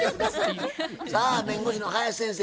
さあ弁護士の林先生